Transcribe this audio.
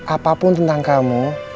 apapun tentang kamu